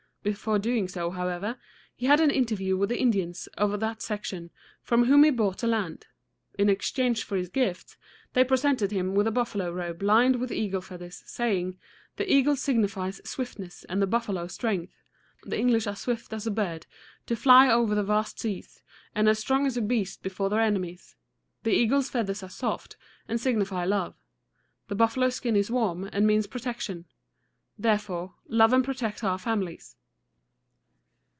Before doing so, however, he had an interview with the Indians of that section, from whom he bought the land. In exchange for his gifts, they presented him with a buffalo robe lined with eagle feathers, saying: "The eagle signifies swiftness, and the buffalo strength. The English are swift as a bird to fly over the vast seas, and as strong as a beast before their enemies. The eagle's feathers are soft, and signify love; the buffalo's skin is warm, and means protection: therefore, love and protect our families."